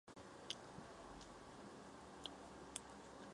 郑和亦尝裔敕往赐。